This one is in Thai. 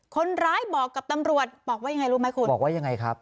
คนร้ายบอกกับตำรวจบอกว่ายังไงรู้ไหมคุณบอกว่ายังไงครับ